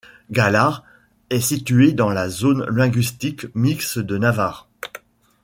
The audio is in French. Galar est situé dans la zone linguistique mixte de Navarre.